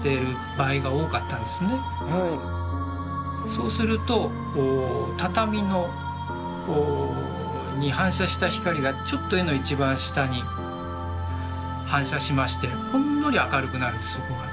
そうすると畳に反射した光がちょっと絵の一番下に反射しましてほんのり明るくなるんですそこが。